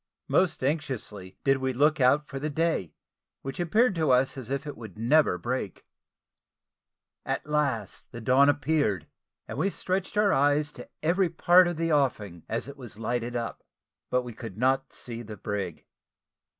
Most anxiously did we look out for the day which appeared to us as if it never would break. At last the dawn appeared, and we stretched our eyes to every part of the offing as it was lighted up; but we could not see the brig.